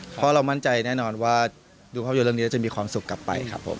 เพราะเรามั่นใจแน่นอนว่าดูภาพยนตเรื่องนี้จะมีความสุขกลับไปครับผม